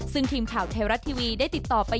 ซึ่งทีมข่าวไทยรัฐทีวีได้ติดต่อไป